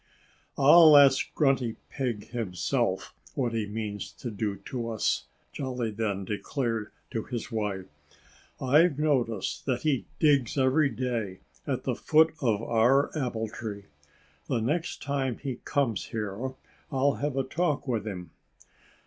"I'll ask Grunty Pig himself what he means to do to us," Jolly then declared to his wife. "I've noticed that he digs every day at the foot of our apple tree. The next time he comes here I'll have a talk with him."